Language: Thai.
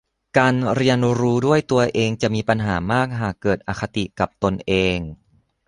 การเรียนรู้ด้วยตัวเองจะมีปัญหามากหากเกิดอคติกับตนเอง